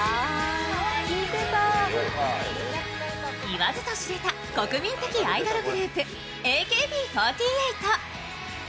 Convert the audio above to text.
言わずと知れた国民的アイドルグループＡＫＢ４８。